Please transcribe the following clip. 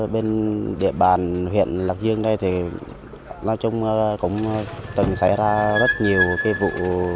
bên địa bàn huyện lạc dương đây thì nói chung cũng từng xảy ra rất nhiều cái vụ